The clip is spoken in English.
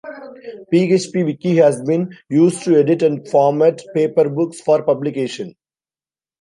PhpWiki has been used to edit and format paper books for publication.